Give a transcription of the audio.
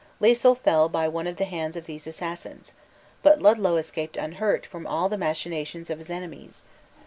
Lisle fell by the hand of one of these assassins. But Ludlow escaped unhurt from all the machinations of his enemies.